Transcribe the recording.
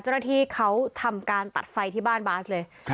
เจ้าหน้าที่เขาทำการตัดไฟที่บ้านบาสเลย